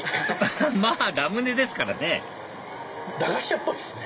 まぁラムネですからね駄菓子屋っぽいですね。